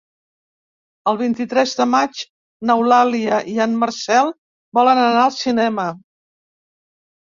El vint-i-tres de maig n'Eulàlia i en Marcel volen anar al cinema.